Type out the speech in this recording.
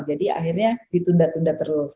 jadi akhirnya ditunda tunda terus